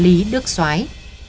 ý đức xoái